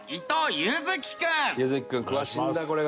柚貴君詳しいんだこれが。